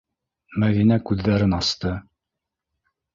Мәҙинә күҙҙәрен асты.